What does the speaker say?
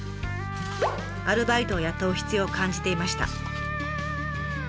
アルバイトを雇う必要を感じていました。